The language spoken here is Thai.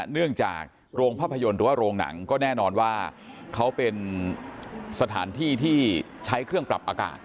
เนื่องจากโรงภาพยนตร์หรือว่าโรงหนังก็แน่นอนว่าเขาเป็นสถานที่ที่ใช้เครื่องปรับอากาศ